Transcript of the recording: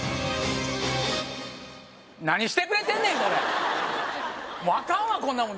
何してくれてんねん